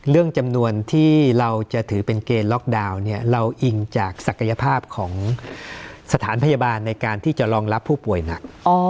เรื่องจำนวนที่เราจะถือเป็นเกณฑ์ล็อกดาวน์เนี่ยเราอิงจากศักยภาพของสถานพยาบาลในการที่จะรองรับผู้ป่วยหนัก